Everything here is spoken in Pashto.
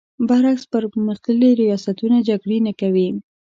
برعکس پر مختللي ریاستونه جګړې نه کوي.